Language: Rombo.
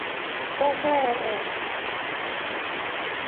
Umberee.